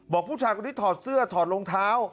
ผู้ชายคนนี้ถอดเสื้อถอดรองเท้า